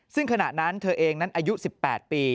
ซึ่งขณะนั้นเธอเองนั้นอายุ๑๘ปี